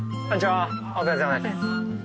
お疲れさまです。